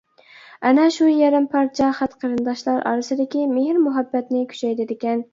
ئەنە شۇ يېرىم پارچە خەت قېرىنداشلار ئارىسىدىكى مېھىر-مۇھەببەتنى كۈچەيتىدىكەن.